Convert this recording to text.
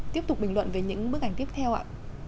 tiếp tục bình luận về những bức ảnh tiếp theo ạ